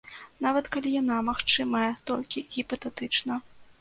Нават калі яна магчымая толькі гіпатэтычна.